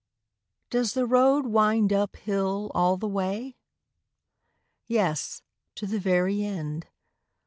Does the road wind up hill all the way? Yes, to the very end.